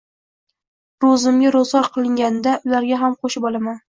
Roʻzimga roʻzgʻor qilganimda ularga ham qoʻshib olaman.